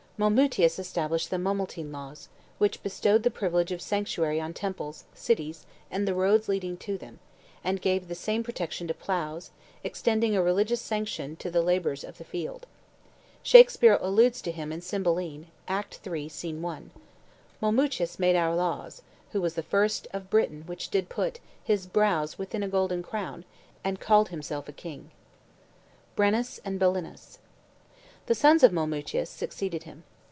Molmutius established the Molmutine laws, which bestowed the privilege of sanctuary on temples, cities, and the roads leading to them, and gave the same protection to ploughs, extending a religious sanction to the labors of the field. Shakspeare alludes to him in "Cymbeline," Act III., Scene 1: "... Molmutius made our laws; Who was the first of Britain which did put His brows within a golden crown, and called Himself a king." BRENNUS AND BELINUS, The sons of Molmutius, succeeded him.